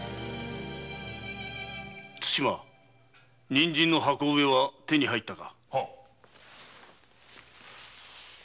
人参の箱植えは手に入ったか？